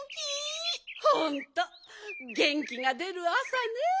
ほんとげんきがでるあさね。